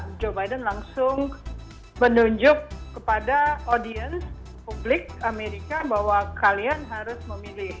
karena joe biden langsung menunjuk kepada audiens publik amerika bahwa kalian harus memilih